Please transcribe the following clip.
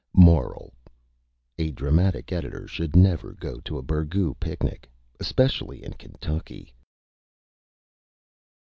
MORAL: _A Dramatic Editor should never go to a Burgoo Picnic especially in Kentucky.